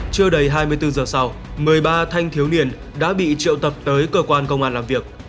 chưa đầy hai mươi bốn giờ sau một mươi ba thanh thiếu niên đã bị triệu tập tới cơ quan công an làm việc